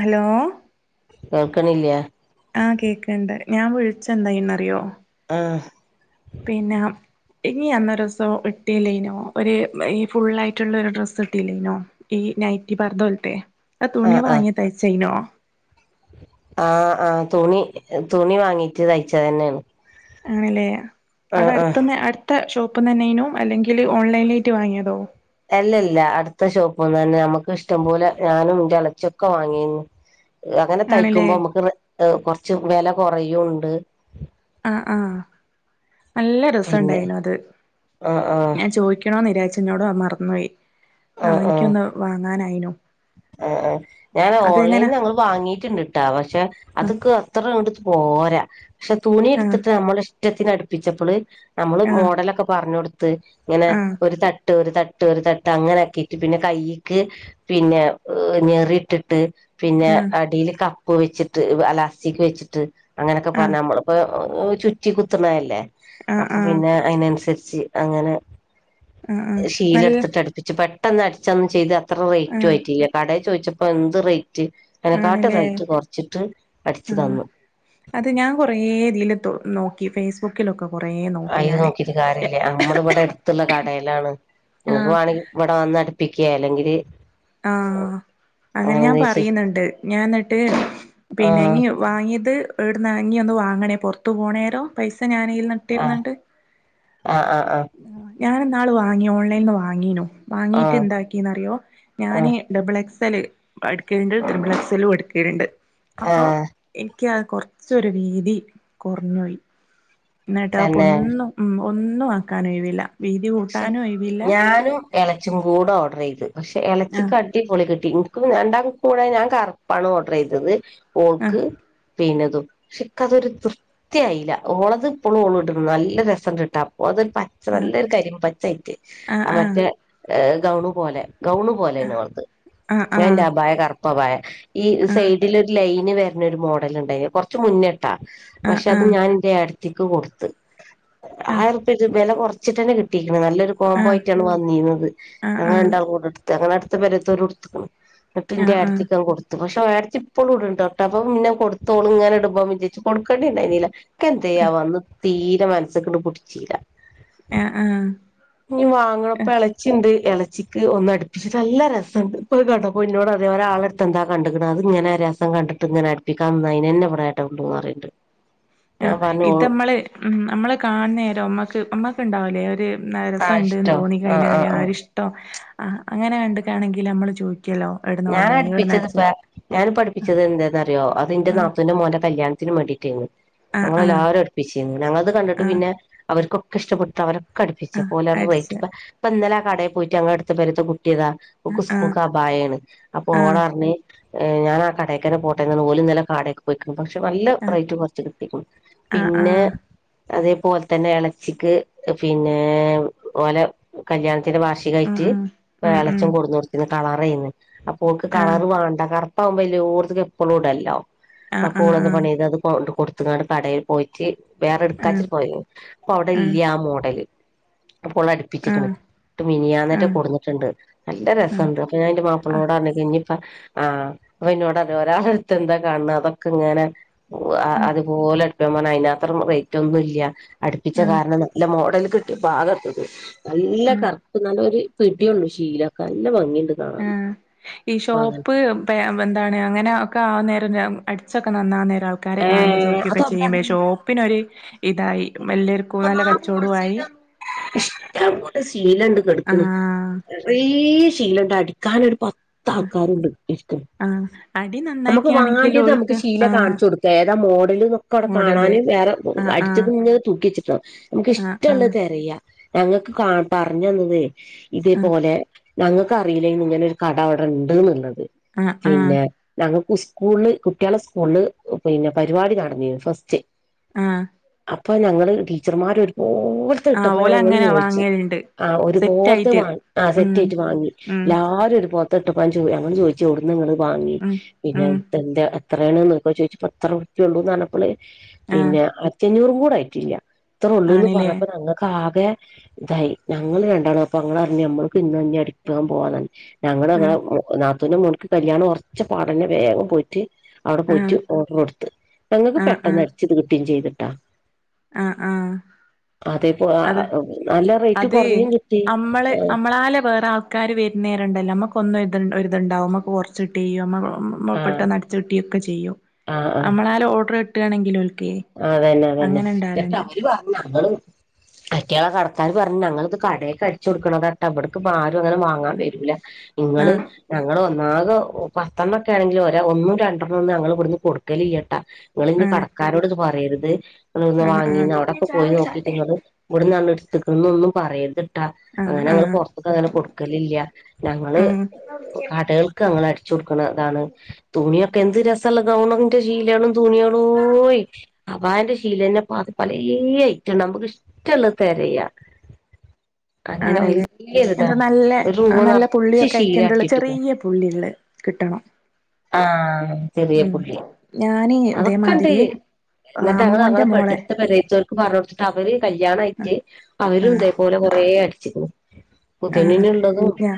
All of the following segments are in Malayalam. ഹലോ കേൾക്കണില്ല ആഹ് കേക്ക്ണ്ട് ഞാൻ വിളിച്ച എന്തായിന്നറിയോ ആഹ് പിന്നെ ഇങ്ങ് അന്നൊരു ദിവസം ഇട്ടീലേനോ ഒരു ഈ ഫുള്ളായിട്ടുള്ളൊരു ഡ്രസ്സ് ഇട്ടീല്ലേനോ ഈ ഈ നൈറ്റിപർദ്ദ പോലത്തെ അത് തുണി ആഹ് ആഹ് വാങ്ങി തയ്ച്ചയിനോ ആഹ് ആഹ് തുണി തുണി വാങ്ങീട്ട് തയ്ച്ചതെന്നെയാണ് ആണല്ലേ അവിടെ അടുത്തന്ന് അടുത്ത ഷോപ്പ് പ്പ്ന്നെന്നെയേനു അല്ലെങ്കിൽ ഓൺലൈനിലായിട്ട് വാങ്ങിയതോ അല്ലല്ല അടുത്ത ഷോപ്പ്ന്ന് തന്നെ നമുക്ക് ഇഷ്ടം പോലെ ഞാനും ന്റെ എളച്ചിയൊക്കെ വാങ്ങിയിരുന്നു അങ്ങനെ ആണല്ലേ തയ്ക്കുമ്പോ നമ്മുക്ക് റെ കുറച്ച് വില കുറയും ഉണ്ട് ആഹ് ആഹ് നല്ല പിന്നെ രസണ്ടായിനു അത് ആഹ് ആഹ് ഞാൻ ചോദിക്കണോന്ന് വിചാരിച്ചു എന്നോടത് മറന്നുപോയി ആഹ് എനിക്കൊന്ന് വാങ്ങാനായിനു ആ ഞാൻ അതെങ്ങനാ ഓൺലൈനിൽ ഞങ്ങൾ വാങ്ങിട്ട്ണ്ട്ട്ടാ പക്ഷെ ആ അതൊക്കെ അത്ര അങ്ങട്ട് പോരാ പക്ഷെ തുണി ആ ഇട്ത്തിട്ട് നമ്മള് ഇഷ്ടത്തിന് അടുപ്പിച്ചപ്പള് നമ്മള് ആ മോഡലൊക്കെ പറഞ് കൊടുത്ത് ഇങ്ങനെ ആ ഒരു തട്ട് ഒരു തട്ട് തട്ട് ഒരു തട്ട് അങ്ങനാക്കിട്ട് പിന്നെ കയ്യിക്ക് പിന്നെ ഞെറിട്ടിട്ട് പിന്നെ ആ അടിൽ കപ്പ് വെച്ചിട്ട് അലാസ്റ്റിക്ക് വെച്ചിട്ട് അങ്ങനെക്കെ ആ പറഞ്ഞാ നമ്മള് ഇപ്പോ ചുറ്റി കുത്തുന്നല്ലേ ആഹ് അപ്പൊ ആഹ് പിന്നെ അയിനനുസരിച്ച് അങ്ങനെ ആഹ് ആഹ് ശീല നല്ല എടുത്തിട്ട് അടുപ്പിച്ച് പ പെട്ടെന്ന് അടിച്ചന്നു ചെയ്ത് അത്ര റേറ്റും ആഹ് ആയിട്ടില്ല കടേ ചോയ്ച്ചപ്പോ എന്ത് റേറ്റ് അയിനെക്കാട്ട് ആണല്ലേ റേറ്റ് കുറച്ചിട്ട് അടിച്ചു ആഹ് തന്നു അത് ഞാൻ കൊറേ ഇതില് നോക്കി ഫേസ്ബുക്കിലൊക്കെ കൊറേ നോക്കി അയില് ഞാന് നോക്കിട്ട് പക്ഷെ കാര്യല്ലേ നമ്മള് ഇവിടെ എടുത്തുള്ള കടയിലാണ് ഇങ്ങക്ക് ആഹ് വാണേൽ ഇവിടെ വന്നടു പ്പിക്കുക അല്ലെങ്കിൽ ആഹ് അങ്ങനെ ഞാൻ എന്ത ചെയ് പറയുന്നുണ്ട് ഞാൻ ന്നട്ട് ആ പിന്നെ ഈ വാങ്ങിയത് എവിടുന്ന ഇ ഒന്ന് വാങ്ങണേ പുറത്ത് പോണേരം പൈസ ഞാനിയിൽന്ന് ആ ഇട്ടേര്ന്നിണ്ട് ആ ആ ആ ഞാനെ ന്നാൾ വാങ്ങി ഓൺലൈനിൽന്ന് വാങ്ങിനു ആ വാങ്ങീട്ട് ന്താക്കിന്നറിയോ ആ ഞാൻ ഡബിൾ എക്സ്ൽ എടുക്കലിണ്ട് തൃബിൾ എക്സലും എടക്കലിണ്ട് ആ അപ്പോ കുറച്ചൊരു വീതി കുറഞ്ഞുപോയി തന്നെ ന്നിട്ടോപ്പൊന്നും ഉം ഒന്നും ആക്കാൻ ഒഴിവില്ല വീതി പക്ഷെ കൂട്ടാനും ഒഴിവില്ല ഞാനും എളച്ചിം കൂടെ ഓർഡർ ചെയ്ത് പക്ഷെ ആഹ് എളച്ചിക്ക് അടിപൊളി കിട്ടി ന്ക് രണ്ടാക്കുംകൂടെ ഞാൻ കറുപ്പാണ് ഓർഡർ ചെയ്തത് ആഹ് ഓൾക്ക് പിന്നതും പക്ഷെ ഇന്ക് അതൊരു തൃപ്തിയായില്ല ഓളത് ഇപ്പോളും ഓളിടിണ്ട് നല്ല രസണ്ട് ഇട്ടാൽ ഓൾതൊരു പച്ച നല്ലൊരു കരിമ്പച്ചയിട്ട് ആഹ് ആ മറ്റേഹ് ആഹ് ഗൗണു പോലെ ഗൗൺ പോലെയാണ് ഓളത് ആഹ് ഞാൻന്റെ അഭായ കറുപ്പഭായ ഈ ആഹ് സൈഡിലൊരു ലൈൻ ലൈൻ വരണ ഒരു മോഡൽ ഇണ്ട് കൊറച്ച് മുന്നേട്ടാ ആഹ് പക്ഷെ അത് ആഹ് ഞാൻ ന്റെ ഏടത്തിക്ക് കൊടുത്ത് ആയിറുപ്യ ഇജ് വില കുറച്ചിട്ടന്നെ കിട്ടും കിട്ടിക്ക്ണ് നല്ലൊരു ആഹ് ആഹ് കോംമ്പോ ആയിട്ടാണ് വന്നീന്നത് ആഹ് ആഹ് ആഹ് ഞങ്ങള് ആഹ് രണ്ടാളും കൂടെടുത്ത് അങ്ങനെ അടുത്ത പെരേതോരും എടുത്തിക്കിന് ന്നട്ട് ന്റെ ആഹ് ഏട്ടത്തിക്ക് ഞാൻ കൊടുത്തു പക്ഷെ ഏടത്തി ഇപ്പളും ഇടണ്ട് ട്ടോ അപ്പൊ പിന്നെ കൊടുത്തോളിങ്ങനെ ഇടുമ്പോ വിചാരിച്ചും കൊടുക്കണ്ടില്ലെന്നില്ല ക്ക് ന്തേ ആവോ അന്ന് തീരെ മനസ്സക്കണ്ട് പുടിച്ചീല ആഹ് ആഹ് ആഹ് ഇനി വാങ്ങണപ്പ എളച്ചിണ്ട് എള ച്ചിക്ക് ഒന്ന് അടുപ്പിച്ചിട്ട് നല്ല രസണ്ട് ഇപ്പൊ അത് കണ്ടപ്പോ ഇന്നോട് അതേ ഒരാളെടുത്ത് എന്താ കണ്ട്ക്കണേ അതിങ്ങനെ രസം കണ്ടിട്ട് ഇങ്ങനെ അടുപ്പിക്കാംന്ന് അയിനെന്നെ ഇവടെ പറണ്ട് ആ ഇതമ്മള് ഉം നമ്മള് കാണുന്നേരം നമ്മക്ക് അമ്മക്ക് ഉണ്ടാവൂലേ ഒരു ആഹ് രസണ്ടന്ന് ഇഷ്ടോ തോന്നി ആഹ് കഴിഞ്ഞാല് ആഹ് ആ ആഹ് ഒരിഷ്ടം ആ അങ്ങനെ കണ്ടുകാണെങ്കിൽ നമ്മള് ചോയിക്കും ഞാൻ അടിപ്പിച്ചത് ഇപ്പ ഞാനിപ്പോ അടിപ്പിച്ചത് എന്താന്നറിയോ അത് ഇന്റെ ആഹ് നാത്തൂന്റെ മോന്റെ കല്യാണത്തിനു ത്തിന് വേണ്ടിട്ടന് ആഹ് ആഹ് ഞങ്ങളെല്ലാരും അടിപ്പിച്ചിരുന്നു ഞങ്ങളത് കണ്ടിട്ട് ആഹ് പിന്നെ അവർക്കൊക്കെ ഇഷ്ടപ്പെട്ട് അവര ക്കടപ്പിച്ചു ആഹ് പോലറഞ്ഞു റേറ്റ് അടിച്ച് ഇപ്പ പ്പന്നലെ കടേൽ പോയിട്ട് ഞങ്ങളെ അട്ത്ത പേരെത്തെ കിട്ടിയതാ ഓക്ക് ആഹ് സ്കൂൾക്ക് അഭായാണ് അപ്പൊ ആഹ് ഓളറിഞ്ഞ ഏഹ് ഞാൻ ആ കടക്കന്നെ പോട്ടെന്ന് ഓലും ന്നലെ കടേക്ക് പോയിക്കണ് പക്ഷെ നല്ല ആഹ് റേറ്റ് കുറച്ച് കിട്ടിക്ക്ണ് ആഹ് ആഹ് പിന്നെ ആഹ് അതേപോലെ തന്നെ എളച്ചിക്ക് പിന്നെ ഓലെ കല്യാണ ല്യാണത്തിന്റെ ഉം വാർഷികായിട്ട് ഉം ഉം ഉം എളേച്ഛൻ കൊടുന്ന കൊടുത്തിന്ന് കളറെന്ന് അപ്പൊൾക്ക് ആഹ് കളർ വേണ്ട കറ പ്പാകുംപോ എല്ലോടതുക്കും എപ്പളും ഇടാലോ ആഹ് അപ്പൊ ഓളെന്ത് ആഹ് പണിയെയ്ത് അത് കൊണ്ട് കൊടുത്ത ത്ങ്ങാണ്ട് കടയിൽ പോയിട്ട് വേറെ ആഹ് എടുക്കാച്ചിട്ട് പോയെന്നു അപ്പൊ അവിടെ ആഹ് ഇല്യ ആ മോഡല് ഇപ്പോള് ആഹ് അടിപ്പിച്ചിക്കന് ഇന്നട്ട് ആഹ് മിനിയാന്നേറ്റെ ആഹ് കൊടുന്നിട്ടുണ്ട് നല്ല ആഹ് രസണ്ട് അപ്പൊ ഞാൻ എന്റെ മാപ്പ നോട്‌ പറഞ്ഞിക്കന് ഇനീപ്പോ ആ അപ്പൊ ഇന്നോടാറഞ് ഒരാള അടുത്ത് എന്താ കാണണ അതൊക്കെ ഇങ്ങനെ അ ആഹ് അതുപോലെ എടുത്തു പറ അയിനാത്രം റേറ്റ് ഒന്നുംല്ല അടുപ്പിച്ച ആഹ് കാരണം നല്ല മോഡൽ പാകത്ത നല്ല ആഹ് കറുപ്പ് നല്ലരു പിടിയുള്ള ശീലയോക്കെ നല്ല ഭംഗിണ്ട് കാണണം [unintelligible] ആഹ് ഈ ഷോപ്പ് പേഎന്താണ് അങ്ങനെ ഒക്കെ ആ കനേരം അടിച്ചൊക്കെ നന്നാ ആ നേരം ആൾക്കാരെ കാണുമ്പോൾ ഏഹ് ചോക്കിക്കൊക്കെ അത് അവിടെ ചെയ്യുമ്പ അങ്ങനെയില്ല ഷോഓപ്പിനൊ ഒരു ഇതായി എല്ലർക്കും നല്ല കച്ചവടമായി ഇഷ്ട പോലെശീലണ്ട് കെടക്കണ് ആഹ് നെറെ ശീലണ്ട് അടിക്കാന ഒരു പ താക്കാര്ണ്ട് ആഹ് അടി ഇരിക്ക്ണ്‌നമുക്ക് നന്നാക്കിയാണെങ്കിൽ വാണ്ടിത് നമുക്ക് ഓൽക്ക് ശീല ആഹ് കാണിച്ചു കൊടുക്ക ഏതാ മോഡലന്നൊക്കെ അവിടെ മോഡല് കാണാനും വേറെ ആഹ് ആഹ് അടിച്ചത്ങ്ങത് തൂക്കിച്ചിട്ട നമുക്ക് ആഹ് ആഹ് ഇഷ്ടള്ള തെരയ ഞങ്ങൾക്ക് കാ പറഞ്ഞു തന്നത് തേ ആഹ് ഇതേപോലെ ഞങ്ങൾക്ക് അറിയില്ലന്ന് ഇങ്ങനെ ഒരു കട അവിടെ ഉണ്ട്ന്നുള്ളത് ആഹ് ആഹ് പിന്നെ ഞങ്ങ സ്കൂളില് കുട്ടികളെ സ്കൂളില് പിന്നെ പരിപാടി നടന്ന ഫസ്റ്റ് ആ അപ്പൊ ഞങ്ങള് ടീച്ചർമാർ ഒരുപടുത്ത് ആഹ് ഇട്ടപ്പോ ഞാൻ ഞങ്ങള് ഓലങ്ങനെ ചോയ്ച് വാങ്ങല്ണ്ട് ആ ഒരു പോലത്തെ സെറ്റായിട്ട് വാങ്ങി ആ ഉം സെറ്റ് ആയിട്ട് വാങ്ങി ഉം എല്ലാരും ഒരു പോൽത തട്ടപ്പാ ചോഞെ ചോദിച്ചു എവിടുന്ന് നിങ്ങള് വാങ്ങ ഉം പിന്നെ ഉം എന്താ എത്രയാണ് നോക്ക ചോയ്ച്ച് എത്രറുപ്പ്യ ഉള്ളൂന്ന്ഞ്ഞപ്പോള് ആഹ് പിന്നെ ആയിരത്തി അഞ്ഞൂറും കൂടെ ആയിട്ടില്ല. ഇത്ര ഉള്ളൂ ആണ്ല്ലേ പറഞ്ഞപ്പഞങ്ങക്കാകെ ക്കെ ഇതായി ഞങ്ങള്ൾ രണ്ടാള് അപ്പ അങ്ങ അറിഞ്ഞഞ് നമ്മക്ക് ഇന്ന് തന്ന അടിക്കാൻ പോവാ ഞങ്ങങ്ങെ ആഹ് നാത്തൂന മുക്ക് കല്യാണം ഉറച്ച പാടന്നെ വേഗം പോയിട്ട് അവിടെ ആഹ് പോയിട്ടു ഓർ കൊടുത്ത് ഞങ്ങൾക്ക് പെട്ടെന്ന് അടിച്ചിത് കിട്ടിയയും ചെയ്തിട്ടാ ആ ആ- അതേപോ അത് നല്ല റേറ്റ് അതെ കുറഞ്ഞും കിട്ടി അമ്മള് അമ്മളാ ലെ വേറെ ആൾക്കാര് വരുന്ന നേരെംണ്ടല്ലോ നമ്മുക്ക് ഒന്നും ഇ ഇതുണ്ടാവും നമുക്ക് കുറച്ചിട്ടി ആ പെട്ടന്ന് അടിച്ചിട്ടി ന്നൊക്കെ ആഹ് ആഹ് ചെയ്യുംനമ്മളലെഓർഡർ കിട്ടാണെങ്കിൽ അതന്നെ അതന്നെ അവര് പറഞ്ഞും ഞങ്ങള് അറ്റാളകട ആയാൾപറഞ്ഞ്ഞങ്ങള്ത് ക ടെക്ക്അടിച്ചേട്കൊടുക്കണതാട്ടോ ഇവ്ടുക്ക് പാ മാ വാങ്ങൻ വരൂലനിങ്ങൾ ആഹ് ഞങ്ങളെ വ ആകെ പത്തെണ്ണം ഒക്കെ ആണെങ്കിൽ ഒന്നും രണ്ടെണ്ണം ഒന്ന് ഞങ്ങൾ ഇവിടുന്ന് കൊടുക്കല്ട്ടാ നിങ്ങള് ആഹ് ഇഞ്കടക്കാരോട് ഇത് പറേ ര്ത് ന്ന് ആഹ് വാങ്ങീ ആഹ് അവിടെക്കെ പോയി നോക്കിട്ട് നിങ്ങ ഇവിടന്നാണ് എടുത്ത്ക്കന്ന് ഒന്നും പറയത് ട്ടേ ആഹ് ട്ടോഅങ്ങനെ ഞങ്ങൾ ആഹ് പെറത്ക് അങ്ങനെ കൊടുക്കലില്ല ഞങ്ങള് ഉം കടെൾക്ക് ഞങ്ങള അതാണ് തുണിയൊക്കെ എന്ത് രസമുള്ള ഗൗണിന്റെ ശീലയാണും തുണിയ ളേ ഓയി അബായന്റെ ശീലന്നെ ത് പലെ അയ്റ്റംണ്ട്നമുക്കിഷ്ടള്ള തെരയാ ആണല്ലേ എന്ത നല്ല ഒരു റൂമ് നല്ല നിറച്ച് പുള്ളിയൊക്കെ അയിക്കണ്ടുള്ള ശീലട്ടിട്ട്ക്ക്ണ് ചെറിയ പുള്ളിയ്ള്ളെ കിട്ടണം. ആ ചെറിയ ഉം പുള്ളി ഞാന് അതൊക്കെണ്ട്. ഇതേമാതിരി ആഹ് എന്നിട്ട് ഞങ്ങൾ അമ്മോന്റെ മോളെ ഞങ്ങെടെഎട്ത്ത പെരേ തോൽക്പറ ഞ്ഞടുതിട്ട് അവര് കല്യാണ അയ്റ്റ് കല്യാണയിട്ട് അവര് ഇതേപോലെ കൊറേ അടിച്ക്ണ് ആ ഞാ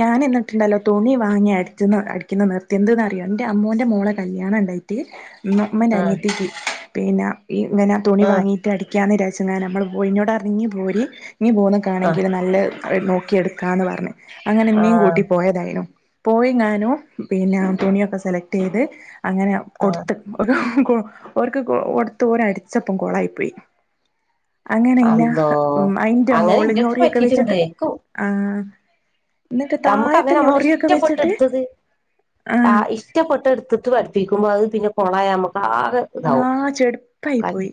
ഞാൻ എന്നിട്ടുണ്ടല്ലോ തുണി വാങ്ങിയട ഇന്ന് അടിക്കുന്ന നിൃത്തിയ എന്തന്ന് അറിയാം എൻ്റെ അമ്മോന്റെ മോളെ കല്യാണം ണ്ടായിട്ട്. മ്മൻ ആഹ് അനിയത്തേക്ക് പിന്നെ ഇങ്ങനെ തുണി ആഹ് വാങ്ങിട്ട് അടിക്കാന്ന് വച്ചങ്ങാൻ നമ്മൾ പോയിോട് അ ഇങ്ങി പോരി ഇങ്ങ പോകുന്നത് ആഹ് കാണമെങ്കിൽത് നല്ല നോക്കിയ എടുക്കാന്ന് പറഞ്- അങ്ങനെ ഇന്നീ ആഹ് കൂട്ടി പോയതായി നിം പോയി ഞാനും പിന്നെ തുണിയൊക്കെ സെലക്ട് ചെയ്ത് അങ്ങനെ ആഹ് കൊടുത്ത് ഒരു.. ര്ക്ക് ടുത്ത് ഓര അടിച്ചപ്പം കോളായി പോയി.. അങ്ങനെ ഇന്ന അള്ളോ അയിന്റെ അങ്ങനെ മോള് ഇന്റെടുത്ത് ഞോറിയൊക്കെ പറ്റിയിട്ടുണ്ട് വെച്ചിട്ട് എനിക്ക് ആ നമുക്ക് അങ്ങനെ നമ്മൾ ഇഷ്ടപ്പെട്ട എടുത്തത് ആ ആഹ് ഇഷ്ടപ്പെട്ട എടുട്ട് പഠിപ്പിക്കുമ്പോ അത് പിന്നെ കൊളായമക്ക സാ ഇതാവും ആഹ് ചെടുപ്പായി ക പോയി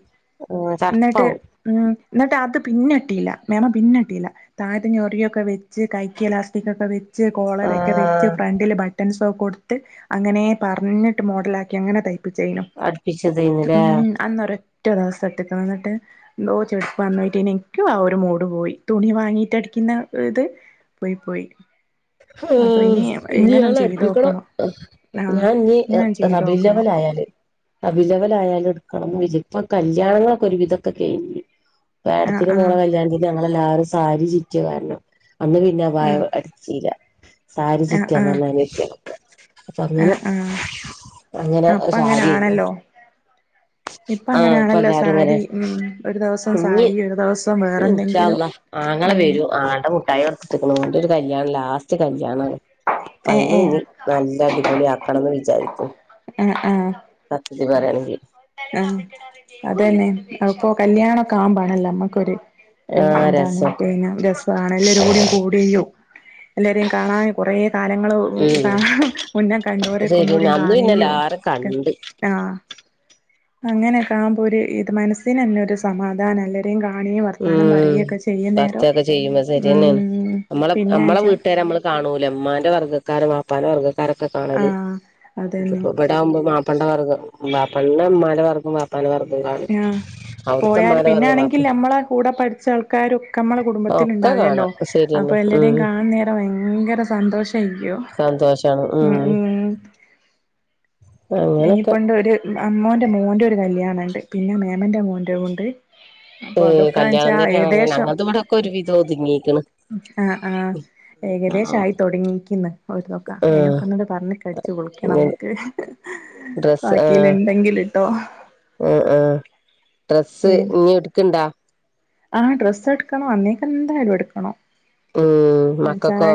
എന്നിട്ട് ചാപ്പാവും. ഉം എന്നിട്ട് അത് പിന്നിട്ടിയില്ല മേമ പിന്നിട്ടിയില്ല താഴതഞ്ഞൊറിയൊക്കെ വെച്ച് കഴക്കിയലാസ്റ്റിക് ഒക്കെ വെ വച്ച് ആ കോളറൊക്കെ വെച്ച് ഫ്രണ്ടില് ബട്ടൺസൊ കൊടുത്ത് അങ്ങനെ പറഞ്ഞിട്ട് മോഡലാക്കി അങ്ങനെ തൈപ്പിചേനു [unintelligible] യ്നിലെ ഒറ്റ ദിവസ [unintelligible] എന്തോ ചെടുപ്പ് വന്നോയിട്ട എനികും ആ ഒരു മൂട് പോയി തുണി വാങ്ങിട്ട് മുറ്റടിക്കുന്ന ഒരു ത് പോയി പോയി ആ അപ്പൊ ഇനി ഇങ്ങനൊന്ന് ങ്ങളെ അടിപ്പിക്കണം ചെയ്തോക്കണം ആഹ് ഞാൻ ഇനി ഇങ്ങനൊന്ന് ചെയ്തോക്കണം റബിലവലായാലേ റപിലവലായാലും എടുക്കണം ഇല്ല ഇപ്പൊ കല്യാണങ്ങൊക്കെ ഒരുവിധൊക്കെ കഴിഞ്ഞു ആഹ് ഏടത്തിടെ ആഹ് മോള കല്യാണതിന് ഞങ്ങല്ലാവരും സാരി ചുറ്റിയ കാരണം അന്ന് പിന്നെ വ ആഹ് അടചീല സാരി ചുറ്റിയന്ന് [unintelligible] ആ അങ്ങനെ ആഹഅപ്പ സാരിയായിരുന്നു അങ്ങനാണല്ലോ ഇപ്പ ആ ഇപ്പൊ അങ്ങനാണല്ലോ എല്ലാരും ഇങ്ങനെ സാരി ഉ ഒരു ദിവസം ഇഞ്ഞി സാരി ഒരു ദിവസം വേറെ എന്തെങ്കിലും നളെ വരും ആടെ മുട്ടായി കൊട്ത്ത്ട്ട്ക്ണ് ഓന്റൊരു കല്യാണം ലാസ്റ്റ് കല്യാ ഏഹ് അയ്‌ന് ഏഹ് ഞ്ഞി നല്ല അടിപൊളി ആക്കണംന്ന് വിചാരിക്കു ആ ആ ആ അത തന്നെ അപ്പോ കല്യാണ ഒക്കെ ആവ്പാണല്ലോ നമ്മുക്കൊരു ആഹ് രസം എന്താണ് രസാണ് എല്ലാരും കൂടിയും എല്ലാരേും കാണാൻ കുറേ കാലങ്ങള് ഉം മുന്നം കണ്ടോരക്കെ ഒന്നുകൂടിം കാണെനു തണ്ട് അങ്ങനെ കാണുമ്പോ ഒരു ഇത് മനസ്സിന് തന്നെ ഒരു സമാധാനം എല്ലരെയും കാണ ണിയ വർത്താനം ഉം പറയയും ഒക്കെ ചെയ്യുന്ന നേരം ബർത്ത്ഡേക്കെ ചെയ്യുമ്പോ ശരിയെന്നേണ് ഉ പിന്നെച്ചാ മാന്റെ വർഗക്കാരും വാപ്പാന്റെ വർഗക്കാരൊക്കെ കാണല് ആഹ് അതന്നെ ഇപ്പോ ഇടകുമ്പോ മാ പപ്പന്റെ വർഗും ബാപ്പ മ്മാന്റെ വർഗും വാപ്പാന്റെ വർഗ ആ് പോയാല് പിന്നാണെങ്കിൽ വാപ്പ നമ്മളെ കൂടെ പഠിച്ച ആൾക്ക ക്കാരൊക്കെ നമ്മളെ കുടുംബത്തിൽ ഒക്കെ കാണാ ഉണ്ടാവൂലല്ലോ അപ്പൊ ശരിയെന്നെ എല്ലാരെയും ഉം കാണുന്ന നേരം ഭയങ്കര സന്തോഷമായിരിക്കും സന്തോഷ ഉം ഉം അങ്ങനൊക്കെ ഇനിയിപ്പണ്ട് ഒരു അമ്മോന്റെ മോന്റെ ഒരു കല്യാണണ്ട് പിന്നെ മേമന്റെ മോൻന്റെ ഉണ്ട് അപ്പൊ ഏ അതൊക്കാണെച്ചാ കല്യാണം തന്നെയാണ് ഏകദേശം ഞങ്ങൾത് ഇവിടൊക്കെ ഒരു വിധം ഒതുങ്ങിക്ക്ണ് ആഹ് ആ് ഏകദേശം എന്താണാവോ ആയി തുടങ്ങിക്കിന്ന് ഓരതൊക്ക അയിനൊക്കെന്നോട് പറഞ് കടിച്ചു കൊടുക്കും ആഹ് നമക്ക് ബാക്കിൽ ഉണ്ടെങ്കില് ട്ടോ ആ ആ ഡ്രസ്സ് ഇനി എടുക്ക്ണ്ടാ ആ ഡ്രസ്സ് എടുക്കണോ അന്നേക്കെന്തായാലും എടുക്കണോ ഉം മക്കക്കോ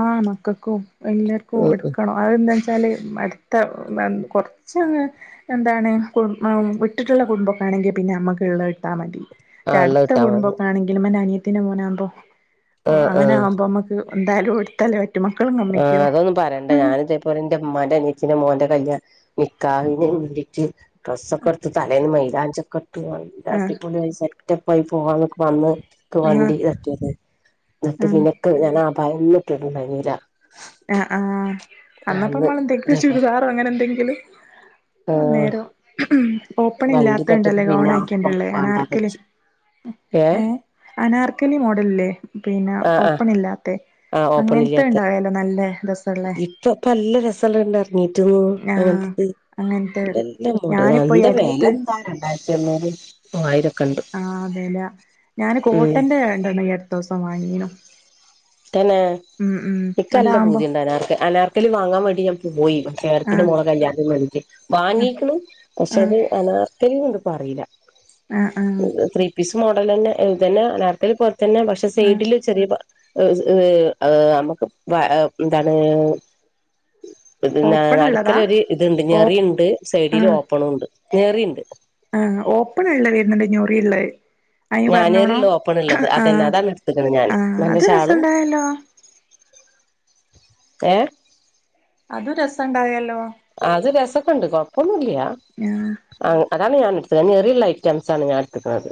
ആ മക്കൾക്കും എല്ലാവർക്കും ഉം എടുക്കണൊ അതെന്താച അടുത്ത കുറച്ചങ് എന്താണ് കു വിട്ടിട്ടുള്ള കുടുംബ ആണെങ്കിൽ പിന്നെ നമ്മുക്ക് ഉള്ള ഇട്ടാ മതി മറ്റ ആഹ് ഇള്ളത് അടുത്ത ഇട്ടാ കുടുംബ മതി ഒക്കെ ആണെങ്കില് മ്മന്റെ അനിയത്തിന്റെ മോനാകുമ്പോ ആഹ് അങ്ങനെ ആഹ് ആകുമ്പോ നമുക്ക് എന്തായാലും ടുത്തലെ പറ്റു ആഹ് അതൊന്നും പറേണ്ട ഞാനിതേപൊലെ എറെ മ്മാന്റെ അനിയത്തിന്റെ മോന്റെ കല്യാണം നികാഹിന് വേണ്ടിറ്റ് ഡ്രസ്സ്‌ ഒക്കെ ഇട്ത്ത് തലേൽ മൈലാഞ്ചി ഒക്കെ ആഹ് ടിപൊളിയായി സെറ്റപ്പായി പോകാനികുമ്പോ അന്ന് ക്ക് ആഹ് വണ്ടി തട്ടിയത് എന്നിട്ട് ആഹ് പിന്നെ ക്ക് ഞാൻ അഭായൊന്നിട്ടിട്ട്ണ്ടായ്‌ന്നില്ല ആ ആ അന്ന് അന്നപ്പമ്മള് എന്തെക്കും ഇതേപോലെ ചുരിദാറും അങ്ങനെ എന്തെങ്കിലും ആഹ് അന്നേരം ഓപ്പൺ വണ്ടി തട്ടിയപ്പോ ഇല്ലാത്തത്ണ്ടല്ലേ ഗോൺ പിന്നെ ഒപ്പം ആയിക്കണ്ടള്ളേ വേണ്ടാന്ന് ആനാർക്കല് വെച്ച് ഏഹ് ഏ അനാർക്കലി മോഡലില്ലേ പിന്നെ ആഹ് ആഹ് ഓപ്പൺ ഇല്ലാതെ അങ്ങൻത്തെ ഉണ്ടായാലോ ഇപ്പൊപ്പ നല്ല രസള്ളത് ഇറങ്ങിട്ട്ന്നു ആഹ് അങ്ങനത്തത് അങ്ങനത്തെ ല്ല മോടലാ ഞാനിപ്പോ ഈ എന്ത വില അടുത്ത് എന്താ രണ്ടായിരത്തി അണ്ഞ്ഞൂറ് മൂവായിരം ഒക്കെ ഉണ്ട് ആ വെല ഞാന് ഉം കോട്ടന്റെ രണ്ടെണ്ണം ഈ അടുതീസം വാങ്ങീനു തന്നെ ഉം ഉം നിക്ക് നല്ല അതാവുമ്പോ പൂതിയുണ്ട് അനാർക്ക് അനാർക്കലി വാങ്ങാൻ വേണ്ടി ഞാൻ പോയി ആഹ് [unintelligible] ആഹ് വാങ്ങിക്കിണ് പക്ഷെ ആഹ് അത് അനാർക്കലിണ്ട് പറയില്ല ആഹ് ആഹ് ത്രീ പീസ് മോഡല് തന്നെ ഇതന്നെ അനാർക്കലിപോലെ തന്നെപക്ഷെ ആഹ് സൈഡില് ചെറിയ ഏ ഏ നമുക്ക് എന്താണ് ഇതിന് ഓപ്പൺ ഉള്ളതാ നടുക്കലൊരു ഇത്ണ്ട് ഓ ഞെറിയുണ്ട് സൈഡിൽ ഓപ്പണു ഉണ്ട് ഞെറിയുണ്ട് ആ ഓപ്പൺ ഉള്ള വരുന്നുണ്ട് ഞൊറിള്ളേ. ഞാനേറിള്ളോപ്പൺ ഉള്ളത് ആഹ് അതന്നാതാ എടുത്തക്കണ ഞാന്, ആഹ് നല്ല അത് ഷാളും രസണ്ടായല്ലോ ഏ അതു രസം ഉണ്ടായല്ലോ. അത് രസക്കുണ്ട് കൊഴപ്പൊന്നില്ല്യ ആഹ് അ അതാണ് ഞാൻ എടുത്തത് ആ ഞെറിയുള്ള ഐറ്റംസണ് ഞാൻ എടുത്തുക്കണത്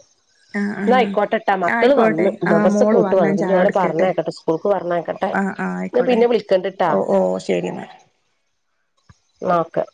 ആഹ് എന്ന ആഹ് ആയിക്കോട്ടെട്ടാ മക്കള് ആയിക്കോട്ടെ വന്നു ആഹ് മദ്രസ് ഒക്കെ മോള് വിട്ട് വന്നു ന്നി ഓലെ പറഞ്ഞയക്കട്ടെ സ്കൂള് ക്ക് പറഞ്ഞയക്കട്ടെ. ആ ആ ആയിക്കോട്ടെ, പിന്നെ വിളിക്കണ്ടിട്ടാ ഓ ഓ ശരി എന്നാ. ന്നാഓക്കേ.